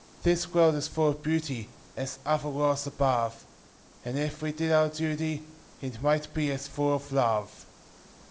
"This world is full of beauty, as other worlds ab ‚ñÝ ‚ñÝ And, if we did our duty, it might be as full of love."